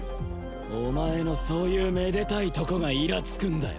お前のそういうめでたいとこがイラつくんだよ